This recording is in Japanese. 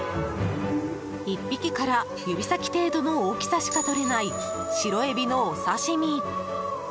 １匹から指先程度の大きさしかとれない白エビのお刺し身。